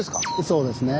そうですね。